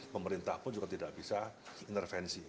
pemerintah pun juga tidak bisa intervensi